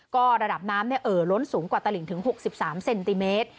ก็ระดับน้ำเอ่อล้นสูงกว่าตลิงถึง๖๓เซนติเมตร